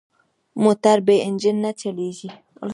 موټر بې انجن نه چلېږي.